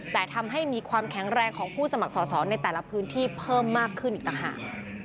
แต่ทำให้มีความแข็งแรงของผู้สมัครสอสอในแต่ละพื้นที่เพิ่มมากขึ้นอีกต่างหาก